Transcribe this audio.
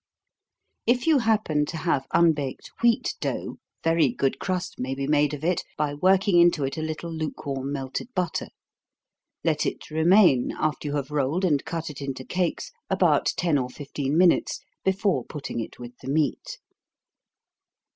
If you happen to have unbaked wheat dough, very good crust may be made of it, by working into it a little lukewarm melted butter. Let it remain, after you have rolled and cut it into cakes, about ten or fifteen minutes, before putting it with the meat.